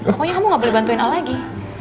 pokoknya kamu gak boleh bantuin a lagi